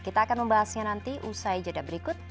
kita akan membahasnya nanti usai jeda berikut